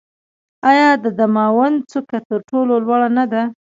آیا د دماوند څوکه تر ټولو لوړه نه ده؟